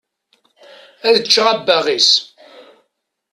Ad ččeɣ abbaɣ-is.